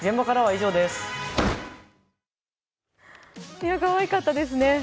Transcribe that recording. とてもかわいかったですね。